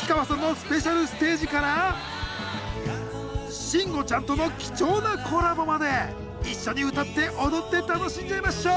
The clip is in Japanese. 氷川さんのスペシャルステージから慎吾ちゃんとの貴重なコラボまで一緒に歌って踊って楽しんじゃいましょう！